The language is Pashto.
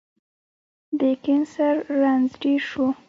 د کېنسر رنځ ډير سو